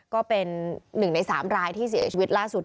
ก็เป็น๑ใน๓รายที่เสียชีวิตล่าสุด